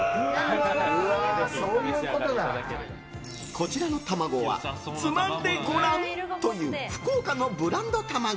こちらの卵はつまんでご卵という福岡のブランド卵。